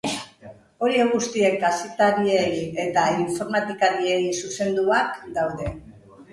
Horiek guztiak kazetariei eta informatikariei zuzenduak daude.